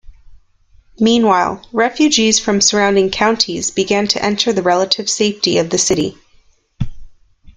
Meanwhile, refugees from surrounding counties began to enter the relative safety of the city.